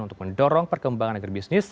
untuk mendorong perkembangan agribisnis